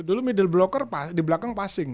dulu middle blocker di belakang passing